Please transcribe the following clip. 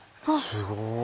すごい。